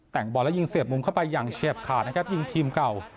แต่งบอลแล้วยิงเสียบมุมเข้าไปอย่างเฉียบขาดนะครับยิงทีมเก่า